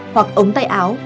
hoặc ống tay áo